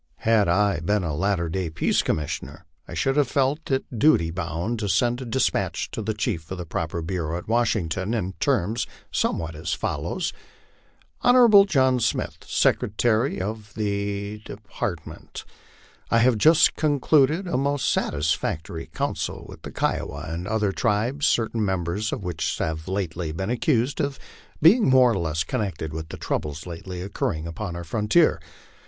Had I been a latter day Peace Commissioner, I should have felt in duty bound to send a despatch to the chief of the proper bureau at Washington, in terms somewhat as follows : JJon John Smith, Secretary of the Department. I have just concluded a most satisfactory council with the Kiowa and other tribes, certain members of which have lately been accused of being more or less connected with the troubles lately occurring upon our frontier.